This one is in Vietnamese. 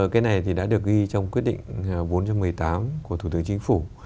cái này thì đã được ghi trong quyết định bốn trăm một mươi tám của thủ tướng chính phủ